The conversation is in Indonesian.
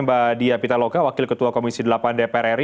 mbak dia pitaloka wakil ketua komisi delapan dpr ri